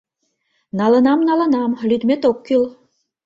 Налынам, налынам, лӱдмет ок кӱл.